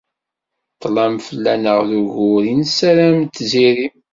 Ṭṭlam fell-aneɣ d ugur i nessaram d tiziri.